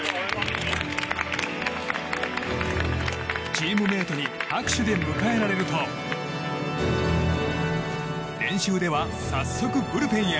チームメートに拍手で迎えられると練習では早速ブルペンへ。